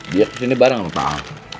dia kesini bareng sama pak ang